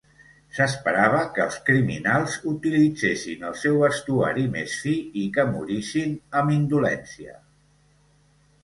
S'esperava que els criminals utilitzessin el seu vestuari més fi i que morissin amb indolència.